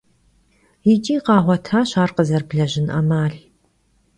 Yiç'i khağuetaş ar khızerıblejın 'emal.